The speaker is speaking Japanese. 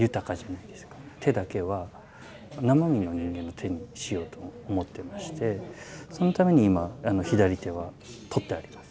手だけは生身の人間の手にしようと思ってましてそのために今左手は取ってあります。